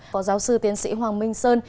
phó giáo sư tiến sĩ hoàng minh sơn